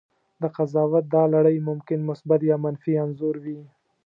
د قضاوت دا لړۍ ممکن مثبت یا منفي انځور وي.